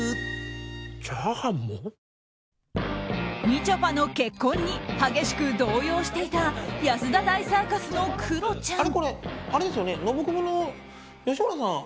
みちょぱの結婚に激しく動揺していた安田大サーカスのクロちゃん。